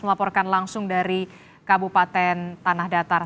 melaporkan langsung dari kabupaten tanah datar